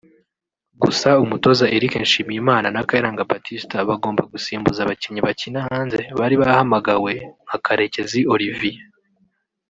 Gusa umutoza Eric Nshimiyimana na Kayiranga Baptista bagomba gusimbuza abakinnyi bakina hanze bari bahamagawe nka Karekezi Olivier